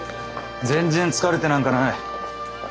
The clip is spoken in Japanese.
全然疲れてなんかない。